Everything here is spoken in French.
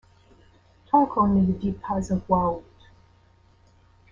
Tant qu'on ne le dit pas à voix haute.